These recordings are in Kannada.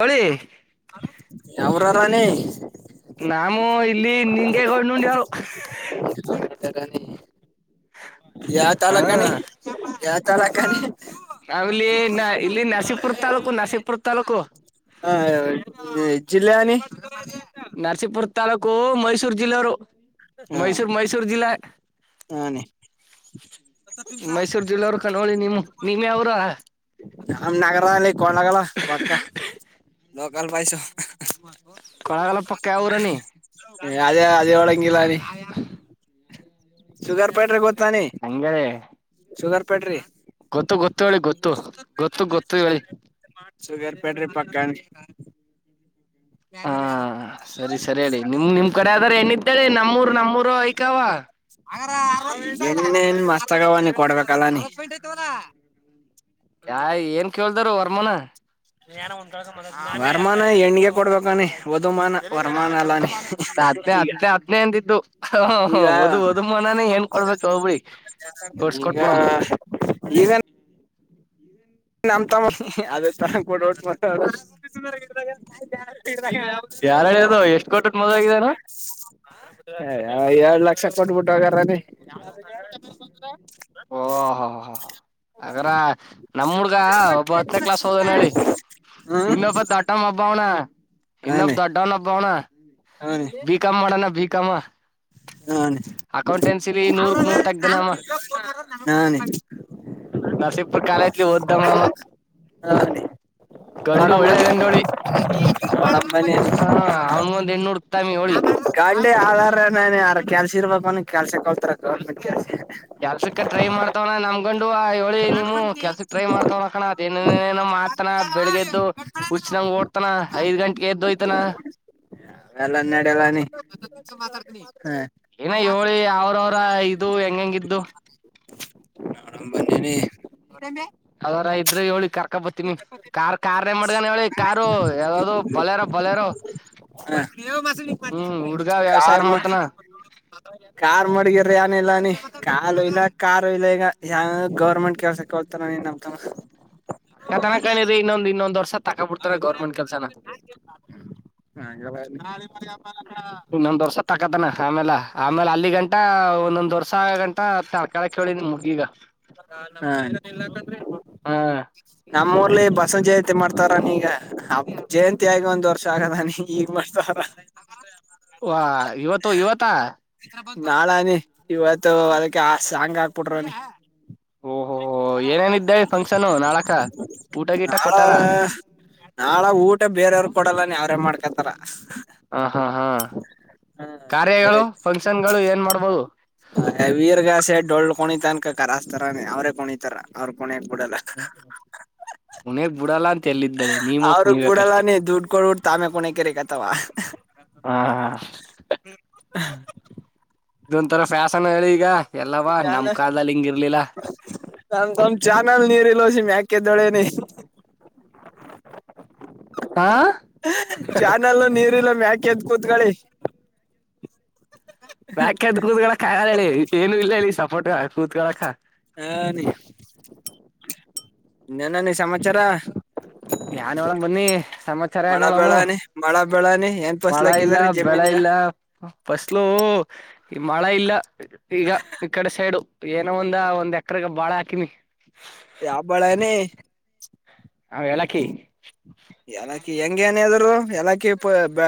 ಹೇಳಿ ಹ್ಹ.... ! ಪ್ರಾಣಿ.. ! ನಾಮ ಇಲ್ಲಿ ನಿಗೆಗ ನೋಂಡ ಅಯ್ಯೋ.... ! [inaudible] ಯಾವ ಹಾ ತಾಲೂಕುಣಿ? [unintelligible] ನಾವಿಲ್ಲಿ ನ ಇಲ್ಲಿ, ನಾಸಿಪುರ್ ತಾಲೂಕು! ನಾಸಿಪುರ್ ತಾಲೂಕು! ಜಿಲ್ಲಯನಿ. ನರಸಿಪುರ್ ತಾಲೂಕು. ಗೋ ಮೈಸೂರು ಜಿಲ್ಲೆಯವರು. ಹಾ ಮೈಸೂರ್, ಮೈಸೂರು, ಜಿಲ್ಲಾ. ಹಾನಿ ಮೈಸೂರು ಜಿಲ್ಲೆ ನಾರ್ಕೋಲಿ ನೀವೂ.. ಆಮ ನಗರ, ಅಲ್ಲಿ ಕೊಲಾಗಲ್ಲ ಪಕ್ಕ. ಲೋಕಲ್ ಬಾಯ್.... ಕೊಳಗಲ ಪಕ್ಕ ಯಾವೂರನಿ ! ಅದೇ, ಅದೇ, ಒಳಂಗಿಲ್ಲಾನ. ಶುಗರ್ ಪೌಡ್ರ ಗೊತ್ತ.... ಹಂಗೇ ! ಶುಗರ್. ಪಡ್ರಿ. ಗೊತ್ತು, ಗೊತ್ತು... ಗೊತ್ತು ಹೇಳಿ. ಗೊತ್ತು ಗೊತ್ತು ಗೊತ್ತು ಹೇಳಿ. ಸುಗರ್ ಫ್ಯಾಕ್ಟರಿ ಪಕ್ಕ. ಹಾ.. ! ಸರಿ ಸರಿ ಹೇಳಿ ನಿಮ್ ನಿಮ್ ಕಡೆ ಆದ್ರ ಎಣ್ಣಿ? ಎಡಳಿ ನಮ್ಮೂರು, ನಮ್ಮೂರು, ಐಕಾವ. ಎನ್ ಮಸ್ತ್? ಆಗವ ನೀ ಕೊಡ್ಬೇಕಲ್ಲ ನೀ. ಯಾ ಏನ್ ಕೇಳ್ದಾರ? ತಮ್ಮನ. ವರಮಾನ ಹೆಣ್ಗೆ ಕೊಡ್ಬೇಕಾನಿ! ವದ ಮಾನ. ಅದ್ ಹದ್ನೇ... ! ಹದ್ನೇ... ! ಹದ್ನೇ... ! ಅಂತಿದ್ದು ಹ್ಹಾ.. ! ಹ್ಹ ಈಗ ವಧು ಈಗ ವಧು ಮನಾನೇ ಏನ್ ಕೊಡ್ಬೇಕು ಹೋಗಬಿ ಕೊಡ್ಸ್ಕೊಟ್ಬಡಮ ಈಗ ಈಗ ಇ... ! ನಮ್ ತಮ್ಮಿ ಅದೇ ತ ಕೂಡಟ್ ಮಾಡ... ಯಾರ ಹೇಳಿದ್ರು ಎಷ್ಟ್ ಕೊಟಕ್ಕೆ ಮೊದ್ ಆಗಿದಾರ ಎರಡ್ ಲಕ್ಷ ಕೊಟ್ಬಿಟ್ಟೋಗಾರ ಲೆ ಓಹೋ ಹಾ-ಹಾ-ಹಾ ಅಗರ ನಮ್ ಹುಡ್ಗ ಒಬ್ಬ ಹತ್ತನೇ ಕ್ಲಾಸ್ ಒದೆನ್ಹಳ್ಳಿ ಹ್ಮ್ ಇನ್ನೊಬ್ಬತ್ ದಟ್ಟಮ್ಮಬ ಅವ್ನ ಎನ್ನೊಬ್ ಹಾನಿ ದೊಡ್ಡೋವ್ನೊಬ್ಬ ಅವ್ನೇ ಬಿಕಾಂ ಮಾಡೋನೆ ಬಿ ಬಿಕಂ ಹ ನರ್ಸಿಪುರ ಕಾಲೇಜ್ಲಿ ಒದ್ದವವ ಹಾ ಅನಿ ನೋಡಮ್ ಗಂಡೋಳಿ ಹ ಅವ್ನ್ ಒಂದ್ ಹೆಣ ಹುಡುಕ್ ಹತ್ತಾಮಿ ಯೋಳಿ ಕಾಂಡೆ ಆಧಾರ ನೆ ಯಾರ ಕೆಲ್ಸಿ ಇರ್ಬೇಕ ಕೆಲ್ಸ ಕೇಳ್ತಾರೆ ಗೌರ್ಮೆಂಟ್ ಕೆಲ್ಸ ಕೆಲ್ಸಕ್ಕೆ ಟ್ರೈ ಮಾಡ್ತವನ ನಮ್ ುವ ಹೇಳಿ ನಿವು ಕೆಲ್ಸಕ್ ಟ್ರೈ ಮಾಡ್ತವ್ನ ಕಣ ಮಾಡ್ತಾನ ಬೆಳಿಗ್ ಎದ್ದು ಹುಚ್ಚನಂಗ ಓಡ್ತನ ಐದ್ ಗಂಟ ಎದ್ದುೋಯ್ತನ ಎಲ್ಲ ನಡೆ ಎಲ್ಲಾನ ಏನ ಹೇಳಳಿ ಅವ್ರವರ ಇದು ಹೆಂಗ್ ಹೆಂಗ್ ಇದ್ದು ಏನಿ ಅವದರ ಇದ್ರೆ ಹೇಳೋಳಿ ಕಾರ್ ಕಕ್ಕ ಬರ್ತೀನಿ ಕಾರ್ ಕಾರ್ ಮಡ್ಗನ್ ಹೇಳಿ ಕಾರು ಯಾವ್ದದು ಬಲಾರೋ ಬುಲೆರೋ ಹ ಹ್ಮ್ ಹುಡ್ಗ ವ್ಯವಸಾಯ ಕಾರ್ ಮಾಡ್ತಾನ ಕಾರ್ ಮಡಗಿರಿ ಏನಿಲ್ಲ ನೀ ಕಾಲು ಇಲ್ಲ ಕಾರು ಇಲ್ಲ ಈಗ ಯಾವ ಗೌರ್ಮೆಂಟ್ ಕೆಲ್ಸಕ್ಕೆೋಳ್ತಾರ ನಮ್ ತಾವ ಕತಣಕಾಣಿರಿ ಇನ್ನೊಂದ ಇನ್ನೊಂದ ವರ್ಷ ತಕ ಬಿಡ್ತಾರ ಹಾಗ ಗೌರ್ಮೆಂಟ್ ಕೆಲ್ಸನ ನಾಳೆ ಹ ಇನ್ನೊಂದ್ ವರ್ಷ ತಕತನೇ ಆಮೇಲ್ಲ ಆಮೇಲೆ ಅಲ್ಲಿ ಗಂಟ ಒಂದೊಂದ್ ವರ್ಷ ಆಗ ಗಂಟ ತಡ್ಕಳಕೆಳ್ಳಿ ನಿಮ್ ಹುಡ್ಗಿಗೆ ಹಾ ಹ ನಮ್ ಊ ಲಿ ಬಸವ ಜಯಂತಿ ಮಾಡ್ತಾರ ನೀಗ ಅ ಜಯಂತಿ ಆಗಿ ಒಂದ್ ವರ್ಷ ಆಗದಾನ ಈಗ ಮಾಡ್ತಾರೆ ವ ಇವತ್ತು ಇವತ್ತ ನಾಳನಿ ಇವತ್ತು ಅದಕ್ಕೆ ಸಾಂಗ್ ಹಾಕ್ಬಿಟ್ರನಿ. ಓಹೋ ಏನೇನಿದ್ದೆ ಫಂಕ್ಷನು ನಾಳಕ ಊಟ ಗೀಟ ಕೊಟ್ಟಾರ ನಾಳ ನಾಳ ಊಟ ಬೇರೆರಿಗ್ ನಿ ಕೊಡಲ್ಲಾನ ಯ್ರೇ ಮಾಡ್ಕ. ತ್ತರ ಹ ಹಾ ಹಾ ಹಾ ಬೇರೆ ಕಾರ್ಯಗಳು ಫಂಕ್ಷನ್ಗಳು ಏನ್ ಮಾಡ್ಬೋದು ವೀರ್ಗಾಸ ಡೊಳ್ಳಕಣ ತನ್ಕ. ಕರಸ್ತಾರ ಅವ್ರೇ ಕೋಿತಾರ ಅವ್ರರು ಕೊನಿ ಯಾಕ್. ಕುಣಗ್ ಬಿಡಲ್ಲ ಅಂತ ಎಲ್ಲಿದ್ದಾಳೆ ನೀವ ಅವ್ರಗ್ ಕುಣಿಬೇಕಷ್ಟೆ. ಬಿಡಲ್ಲಾನ ದುಡ್ಡು ಕೊಡ್ಬಿಟ್ಟು ತಾಮೆ ಕಣಿ ಕರೆ ಕಥವಾ. ಹಾ ಹ ಹ ಇದೊಂಥರ ಫ್ಯಾಷನ್ ಹೇಳಿ ಈಗ. ಎಲ್ಲವಾ ಚಾನ ನಮ್ ಕಾಲದಲ್ಲಿ ಹಿಂಗ ಇರ್ಲಿಲ್ಲ ಆಮ ತಮ ಚಾನಲ್ ನೀರಲ ಮಕ್. ಕೆ ದಳೆನೆ. ಹ ಚಾನಲ್ಲು ನೀರ್ಲ್ಲ ಮ್ಯಾಕ್. ಕೆದ ಕೂದಗಳಿ ಮ್ಯಾಕ ಎತ್ಕೊಂಡ್ರಕ್ಕಾಗಳ ಏನು ಇಲ್ಲ ಇಲ್ಲಿ ಸಪೋರ್ಟ್ ಕುಡ್ಕಾಳಕ್ಕ. ಹಾ ನೀ ನನ್ನ ನೀ ಸಮಾಚಾರ. ಏನ್ ಹೇಳಳಮ್ಮ ಬನ್ನಿ ಸಮಾಚಾರ ಮಳ ಏನ್ೋಳಮ್ಮ ಬೆಳಾನಿ ಮಳ ಬೆಳಾನಿ ಏನ್ ಮಳೆ ಇಲ್ಲ ಫಸ್ಲಾಕಿದಾರಿ ಬೆಳೆ ಜಮೀನ್ಗ ಇಲ್ಲ ಫಸ್ಲು. ಈ ಮಳೆ ಇಲ್ಲ. ಈಗ ಇ ಕಡೆ ಸೈಡು. ಏನೋ ಒಂದ ಒಂದ ಎಕ್ರಗ ಬಾಳೆ ಹಾಕಿನಿ. ಯಾವ ಬಳನೆ. ಹಾ ಎಲಕ್ಕಿ ಎಲಾಕಿ ಪ ಬಾ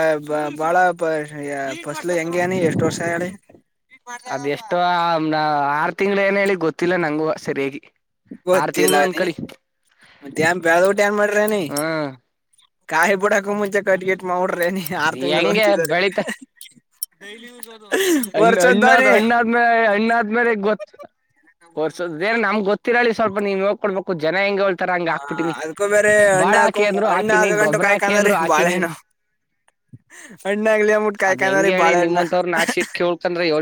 ಬಾಳ ಪ ಫಸಲು ಹೆಂಗನಿ ಎಷ್ಟು ವರ್ಷ ಹೇಳಿ ಅದ್ ಎಷ್ಟೋ ಆಮ್ ಆ. ತಿಂಗಳು ಏನ ಹೇಳಿ ಗೊತ್ತಿಲ್ಲ ನಂಗೂ ವ ಸರಿಯಾಗಿ. ಆರ್ ತಿಂಗ್ಗಳು ಗೊತ್ತಿಲ್ಲಲ್ ಒಂದ್ ನೀ ಕಳಿ ಮತ್ ಬೇಲೂಡ್ಬಿಟ್ಟ ಏನ್ ಮಾಡ್ರ ನೀ. ಹ್ಮ್ ಕಾಯಿ ಬುಡಾಕ ಮುಂಚ ಕಟ್ಗೇಟ್ ಗಿಟ್ ಮಾಡರ್. ಅ ನೀ ಅದ ಆರು ತಿಂಗಳು ಹೆಂಗೆ ಅಂತಿದರೇ. ಬೆಳಿತ ಡೈಲಿ ಯೂಸ್ ಹಣ್ಣ ಅಣ್ಣಾದ್ ಅಣ್ಣಾದ್ಮೇಲೆ ಅಣ್ಣಾದ್ ಮೇಲೆ ಗೊತ್ತ ಕೊರ್ಸದ ಬೇರೆ ನಮ್ ಗೊತ್. ತಿಳ ಸ್ವಲ್ಪ ನೀವ್ ನೋಡ್ಕೋ. ಹು ಜನ ಹೆಂಗ ಹೇಳ್ತಾರ ಹಂಗ ಹಾ ಹಾಕ್ಬಿಟ್ಟಿನಿ ಅದ್ಕೂ ಬೇರೆ ಅಣ್ಣ ಬಾಳ ಹಾಕೊ ಹಾಕಿ ಅಂದ್ರು ಅಣ್ಣ ಹಾಕಿನಿ ಆಗ ಗಂಟು ಗೊಬ್ಬ್ರ ಹಾಕಿ ಕಾಯ್ಕಂದಾರೀ ಅಂದ್ರು ಹಾಕಿನಿ ಬಾಳೆಹಣ್ಣ ಅಣ್ಣ ಆಗ್ಲಿ ಮುಟ್ ಕಾಯ್ಕಂದ್ರ ಬಾಳೆಹಣ್ಣ.... [unintelligible] ಯ.. [inaudible]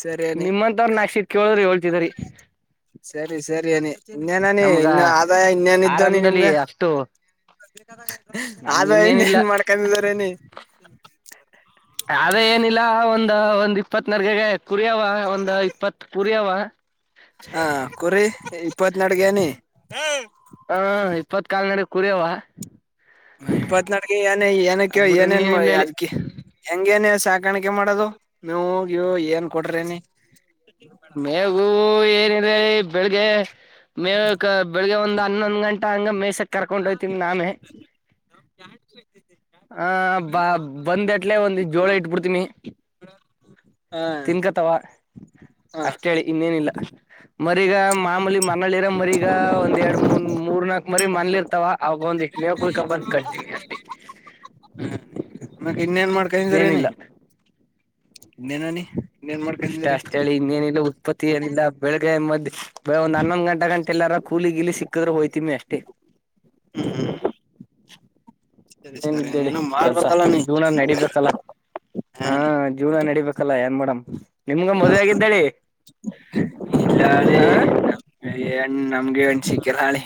ಸರಿನಿ ನಿಮ್ಮಂತವ್ರ ನಾಕ್ಷಿತ್ ಕೇಳಿದ್ರಿ ಹೇಳ್ತಿದ್ರಿ ಸರಿ ಸರಿ ಅನಿ ಇನ್ನೇನನ ನಮ್ಗ ಇನ್ನು ಆದಾಯ ಇನ್ನೇನ್ ಇದ್ದವನಿ ನಿಮ್ಗ ಆರಂಭದಲ್ಲಿ ಅಷ್ಟು ನಮ್ಗ ಆದಾಯ ಇನ್ನೇನಿಲ್ಲ ಇನ್ನೇನ್ ಮಾಡ್ಕೊಂಡಿದಾರನಿ.. [unintelligible] ಹ.. [inaudible] ಅದ ಏನಿಲ್ಲ ಒಂದು.. [inaudible] ಒ ಒಂದ್ ಇಪ್ಪತ್ ನರ್ಗಗೆ ಕುರಿಯವ ಒಂದ್ ಇಪ್ಪತ್ತು ಕುರಿವ.. [unintelligible] ಹಾ ಕುರಿ ಇಪ್ಪತ್.. [inaudible] ಅಡಗೆನೆ.. [inaudible] ಹ ಇಪ್ಪತ್ ಕಾಲ್ಗಡೆ ಕುರಿ್ಯವ.. [unintelligible] ಹ ಇಪ್ಪತ್ನಾಡ್ಕ ಏನ ಏನಕ್ಕೆ ಅದ್ ಬಿಟ್ರಿ ಏನೇನ್ ಇನ್ನೇನಿಲ್ಲ ಹೇಳಿ ಅದಕಿ ಹೆಂಗ ಏನ.. [unintelligible] ಸಾಕಾಣಿಕೆ ಮಾಡೋದು ನೀವೋಗ್ಯ ಏನ್ ಕೊಡ್ರೇನಿ... [unintelligible] ಮೇಗು ಏರಿ.. [inaudible] ಅ್ರ ಬೆಳಿಗ್ಗೆ.. [inaudible] ಮೇ ಬೆಳಿಗ್ಗೆ ಒಂದ [inaudible] ೊಂದು ಂಟಾ ಆಂಗ ಮೆಸಕ್.. [inaudible] ಕರ್ಕೊಂಡ ಹೋಯ್ತಿಮ ನಾಮೇ ಆ ಬ ಬಂದ್ ಇಟ್ಲೆ ಒಂದ ಜೋಳ ಇಟ್ಬಿಡ್ತಿಮಿ... [unintelligible] ಹ ತಿನ್ಕತಾವ ಹ ಅಷ್ಟ ಹೇಳಿ ಇನ್ನೇನಿಲ್ಲ. ಮರೀಗ ಮಾಮೂಲಿ. ಮನಲಿ ಇರ ಮರಿಗ ಒಂದ ಎರಡ್ ಮೂ ಮೂರ್ ನಾಕ. ಮರಿ ಮನ್ಲಿರ್ತವ ಅವ. ಒಂದಿಕ್ ಮೇವ ಕುಯ್ಕೋ ಬಂದ ಕಟ್ತೀನಿ ಅಷ್ಟೇ. ಹ ಮತ್ತ ಇನ್ನೇನ್ ಮಾಡ್ಕೊಂದಿರ ಅನ್ನಿ. ಇನ್ನೇನಿಲ್ಲ ನೆನನಿ. ಅಷ್ಟೇ ಅಷ್ಟ ಹೇಳಿ ಇನ್ನೇನಿಲ್ಲ ಉತ್ಪತ್ತಿ ಏನಿಲ್ಲ ಬೆಳಗ್ಗೆ ಮಧ್ಯೆ. ಬೇ ಒಂದು ಹನ್ನೊಂದು ಗಂಟ. ಎಲ್ಲಾರ ಕೂಲಿ ಗಿಲಿ ಸಿಕ್ಕಿದ್ರೆ ಹೋಯ್ತಿಮಿ ಅಷ್ಟೇ. ಹ್ಮ್ ಹ್ಮ ಏನ ಇದ್ದೇಳಿ ಕೆಲ್ಸ ಮಾಡ್ಬೇಕಲ್ಲ ನೀ ಜೀವನ ಜೀವ್ನ ನಡಿಬೇಕಲ್ಲ ಹಾ ಇಲ್ಲ ಜೀವನ ನಡಿಬೇಕ. ಹಾಕಲ್ಲ ಏನ್ ಮೇಡಮ್ ನಿಮ್ಗ ಮದ್ವೆ ಆಗಿದ್ದಳಿ. ಇಲ್ಲ [unintelligible] ಹೆಣ್ಣ ನಮ್ಗೆ ಹೆಣ್ಣ ಸಿಗತಿ. ಗಿರಾಳಿ.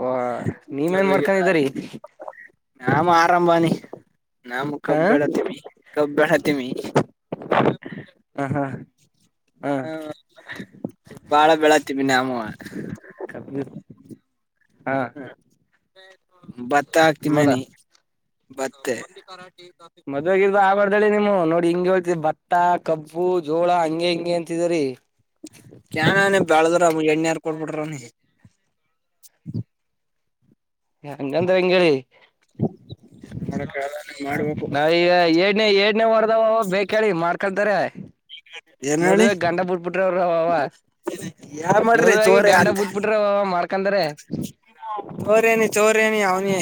ಓ. ಮದ್ವೆ ಗಿದ್ವೆ ಆಗಿ, ಹ್ ಆರಾಮಾಗಿ ಆಗೋಣ ಬನ್ನಿ. ನಾಮ ಹಾ ಕಬ್ ಬೆಳತ್ತೇವಿ ಕಬ್ಬಣತ್ತಮಿ ಹ ಹಾ ಹಾ ಹ್ಮ ಬಾಳ ಬೆಳತ್ತೀವಿ ನಾವು ಕಬ್ ಹಾ ಬತ್ತ ಮತ ಆಾಕ್ತಿ ಮದ ಮೇನ ಬತ್ತೆ ಮದುವೆ ಇರ್ದು ಆಗು ಬಾರುದಳಿ ನೀವು ನೋಡಿ ಹಿಂಗಗೆ ಹೇಳ್ತ ಭತ್ತ ಕಬ್ಬು ಜೋಳ ಹಂಗಗೆ ಹಿಂಗಗೆ ಅಂತಿದರಿ ಕಾನ ಬೆಳದ್ರ ಎಣ್ಣಾರ್ ಕೊಡ್ಬಿಟ್ರ ಅವ ನೀ ಹಂಗಂದ ಹೆಂಗ ಹೇಳಿ ಮಾಡ್ಬೇಕು ನಾವೀಗ ಏಡ್ನೇ ಏಡ್ನೇ ವಾರದಾವ ಬೇಕ ಹೇಳಿ ಮಾಡ್ಕಳ್ತಾರೆ ಏನ್ ಹೇಳಿ ಮದುವೆಗೆ ಗಂಡ ಬಿಟ್ಬಿಟ್ಟು ಅವ್ರ ಯಾ ಮಾಡ್ರಿ ಮದುವೆ ಆಗಿ ತೋರಿ ಗಂಡ ಬಿಟ್ಬಿಟ್ರೆ ಮಾರ್ ಯಾಕಂದ್ರೆ ಚರೆೇನ ಚೋರೇ ನೀ ಅವ ನೀ